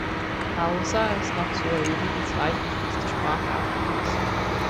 Hausa ist nach Suaheli die zweitwichtigste Sprache Afrikas.